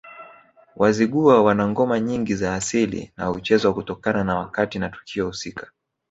Wazigua wana ngoma nyingi za asili na huchezwa kutokana na wakati na tukio husika